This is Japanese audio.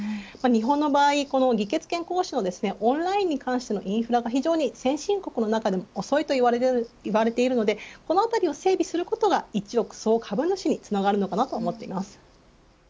日本の場合この議決権行使をオンラインに関してのインフラが非常に先進国の中でも遅いと言われているのでこのあたりを整備することが一億総株主につながると思ってます。